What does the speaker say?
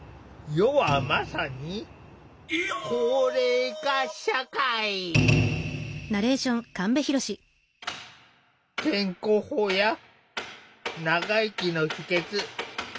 世はまさに健康法や長生きの秘けつ。